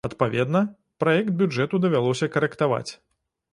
Адпаведна, праект бюджэту давялося карэктаваць.